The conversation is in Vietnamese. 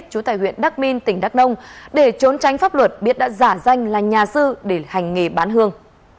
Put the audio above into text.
chú ngô quyền hải phòng